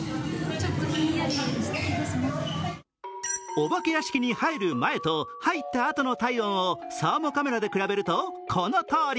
お化け屋敷に入る前と入ったあとの体温をサーモカメラで比べるとこのとおり。